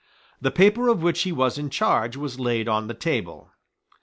The paper of which he was in charge was laid on the table.